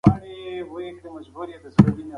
تاسي باید د ورزش پر مهال ډېرې اوبه وڅښئ.